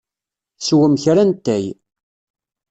Swem kra n ttay.